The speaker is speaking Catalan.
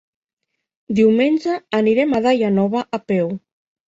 Diumenge anirem a Daia Nova a peu.